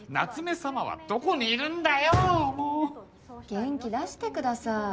元気出してください